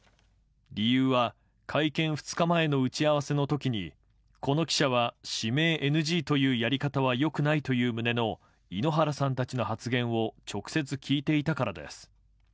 理由は会見２日前の打ち合わせのときに、この記者は指名ＮＧというやり方はよくないという旨の井ノ原さんたちの発言を直接聞いていたからです。